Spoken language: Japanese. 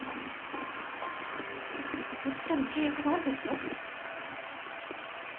うちとの契約があるでしょ？